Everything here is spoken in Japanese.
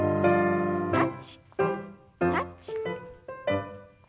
タッチタッチ。